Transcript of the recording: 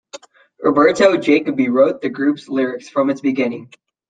Roberto Jacoby wrote the group's lyrics from its beginning.